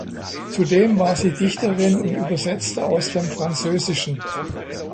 Zudem war sie Dichterin und übersetzte aus dem Französischen.